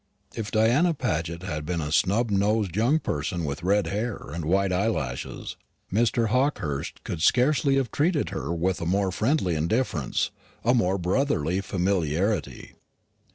If Diana Paget had been a snub nosed young person with red hair and white eyelashes, Mr. Hawkehurst could scarcely have treated her with a more friendly indifference, a more brotherly familiarity.